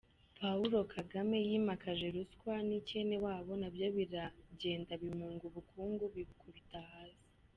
Pahulo Kagame yimakaje ruswa n’icyenewabo, nabyo biragenda bimunga ubukungu bibukubita hasi.